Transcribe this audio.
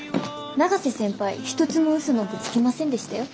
永瀬先輩一つも嘘なんてつきませんでしたよ。